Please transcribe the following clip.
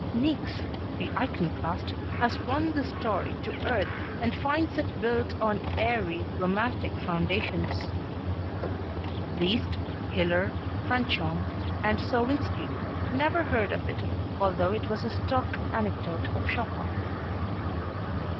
Niecks, the iconoclast, has run this story to earth and finds it built on airy, romantic foundations. Liszt, Hiller, Franchomme and Sowinski never heard of it although it was a stock anecdote of Chopin.